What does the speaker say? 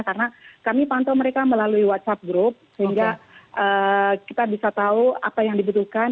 karena kami pantau mereka melalui whatsapp group sehingga kita bisa tahu apa yang dibutuhkan